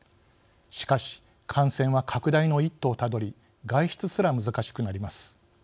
しかし感染は拡大の一途をたどり外出すら難しくなります。